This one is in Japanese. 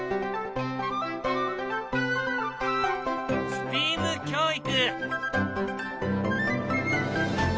ＳＴＥＡＭ教育。